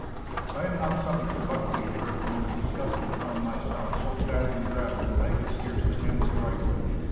I am not sub ject to buck fever, and was disgusted to find myself so badly "rattled" that I could scarcely handle the rifle.